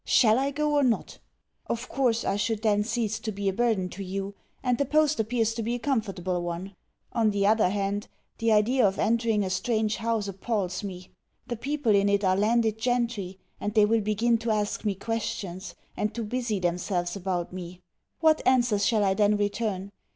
Shall I go or not? Of course, I should then cease to be a burden to you, and the post appears to be a comfortable one. On the other hand, the idea of entering a strange house appals me. The people in it are landed gentry, and they will begin to ask me questions, and to busy themselves about me. What answers shall I then return?